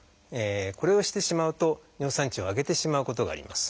これをしてしまうと尿酸値を上げてしまうことがあります。